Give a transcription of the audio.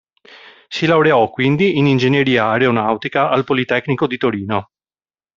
Si laureò quindi in ingegneria aeronautica al Politecnico di Torino.